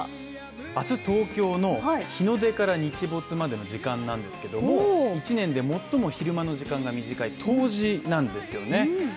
明日東京の日の出から日没までの時間なんですけど１年で最も昼間の時間が短い冬至なんですよね。